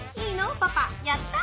パパやった！」。